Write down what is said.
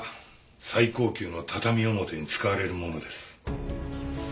最高級の畳表に使われるものです。